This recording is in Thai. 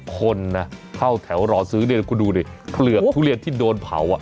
คนนะเข้าแถวรอซื้อเนี่ยคุณดูดิเปลือกทุเรียนที่โดนเผาอ่ะ